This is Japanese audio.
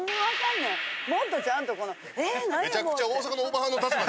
めちゃくちゃ。